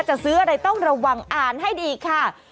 จะซื้ออะไรต้องระวังอ่านให้ดีค่ะ